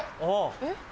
えっ？